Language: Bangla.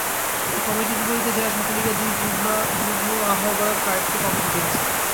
এই কমিটির বিপরীতে জেলা ছাত্রলীগের দুই যুগ্ম আহ্বায়ক আরেকটি কমিটি দিয়েছে।